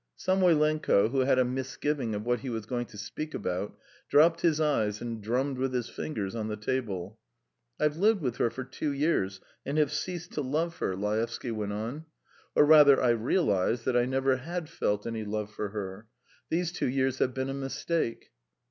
Samoylenko, who had a misgiving of what he was going to speak about, dropped his eyes and drummed with his fingers on the table. "I've lived with her for two years and have ceased to love her," Laevsky went on; "or, rather, I realised that I never had felt any love for her. ... These two years have been a mistake."